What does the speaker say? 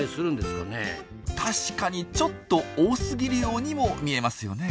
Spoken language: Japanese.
確かにちょっと多すぎるようにも見えますよね。